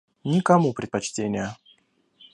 Никому предпочтения.